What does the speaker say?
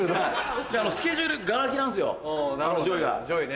スケジュールがら空きなんすよＪＯＹは。